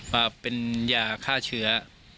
มาเป็นยาฆ่าเชื้อ